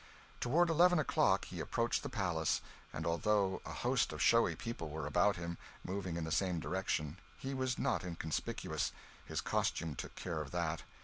Toward eleven o'clock he approached the palace; and although a host of showy people were about him, moving in the same direction, he was not inconspicuous his costume took care of that.